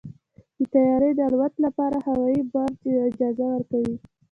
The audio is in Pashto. د طیارې د الوت لپاره هوايي برج اجازه ورکوي.